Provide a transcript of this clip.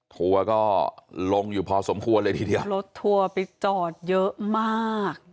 ทัวร์ก็ลงอยู่พอสมควรเลยทีเดียวรถทัวร์ไปจอดเยอะมาก